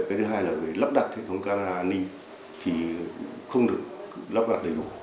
cái thứ hai là về lắp đặt hệ thống camera an ninh thì không được lắp đặt đầy đủ